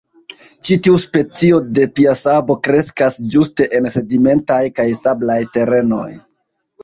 Ĉi tiu specio de piasabo kreskas ĝuste en sedimentaj kaj sablaj terenoj.